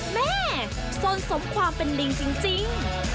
แม่สนสมความเป็นลิงจริง